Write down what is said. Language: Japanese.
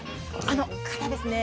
あの方ですね